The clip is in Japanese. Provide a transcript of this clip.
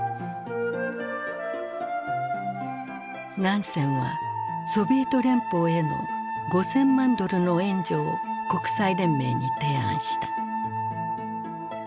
ナンセンはソビエト連邦への５，０００万ドルの援助を国際連盟に提案した。